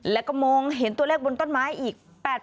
แล้วก็มองเห็นตัวเลขบนต้นไม้อีก๘๐